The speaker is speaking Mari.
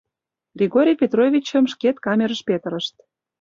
Григорий Петровичым шкет камерыш петырышт.